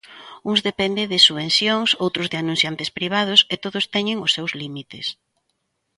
Uns dependen de subvencións, outros de anunciantes privados e todos teñen os seus límites.